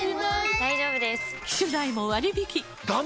大丈夫です！